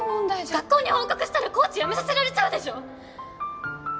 学校に報告したらコーチ辞めさせられちゃうでしょ！？